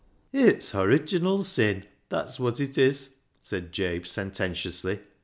" It's horidginal sin ; that's wot it is," said Jabe sententiously.